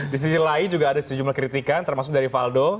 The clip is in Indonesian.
di sisi lain juga ada sejumlah kritikan termasuk dari valdo